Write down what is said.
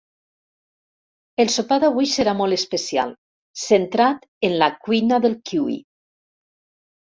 El sopar d'avui serà molt especial, centrat en la cuina del kiwi.